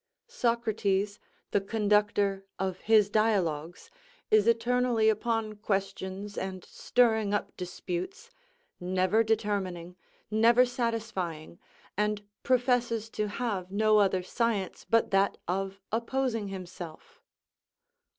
Socrates, the conductor of his dialogues, is eternally upon questions and stirring up disputes, never determining, never satisfying, and professes to have no other science but that of opposing himself.